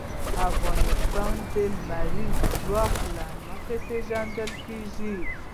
افغانستان د لمریز ځواک له مخې پېژندل کېږي.